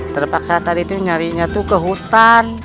terpaksa tadi tuh nyarinya tuh ke hutan